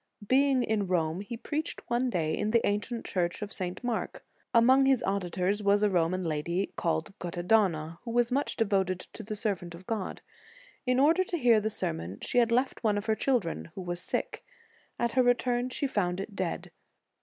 Being in Rome, he preached one day in the ancient church of St. Mark. Among his auditors was a Roman lady called Guttadona, who was much devoted to the servant of God. In order to hear the sermon, she had left one of her children, who was sick ; at her return she found it dead.